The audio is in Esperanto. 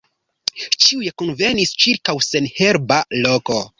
Ĉiuj kunvenis ĉirkaŭ senherba loko.